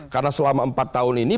karena selama empat tahun ini